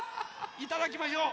いただきましょう